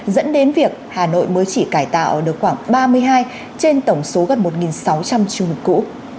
dẫn đến việc hà nội mới chỉ cải tạo được khoảng ba mươi hai trên tổng số gần một sáu trăm linh chung cư